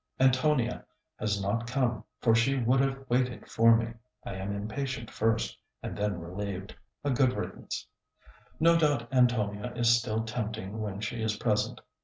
Antonia has not come, for she would have waited for me. I am impatient first, and then relieved. A good riddance. No doubt Antonia is still tempting when she is present.